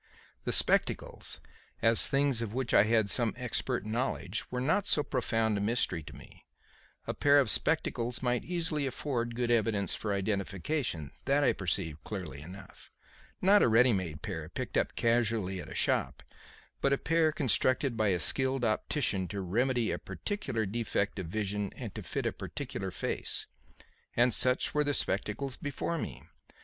The spectacles, as things of which I had some expert knowledge, were not so profound a mystery to me. A pair of spectacles might easily afford good evidence for identification; that I perceived clearly enough. Not a ready made pair, picked up casually at a shop, but a pair constructed by a skilled optician to remedy a particular defect of vision and to fit a particular face. And such were the spectacles before me.